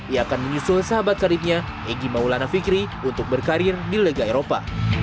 ia akan menyusul sahabat karirnya egy maulana fikri untuk berkarir di liga eropa